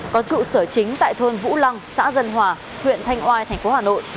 có trụ sở chính tại thôn vũ lăng xã dân hòa huyện thanh oai tp hà nội